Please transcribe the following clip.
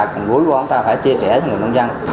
còn rủi ro thì chúng ta phải chia sẻ với người nông dân